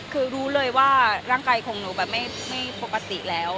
คือรู้เลยว่าร่างกายของหนูแบบไม่ปกติแล้ว